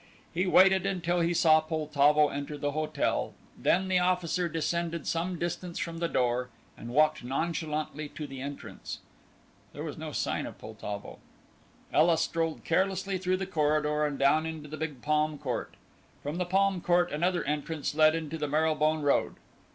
He waited until he saw Poltavo enter the hotel, then the officer descended some distance from the door, and walked nonchalantly to the entrance. There was no sign of Poltavo. Ela strolled carelessly through the corridor, and down into the big palm court. From the palm court another entrance led into the Marylebone Road.